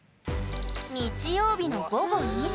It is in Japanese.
日曜日の午後２時。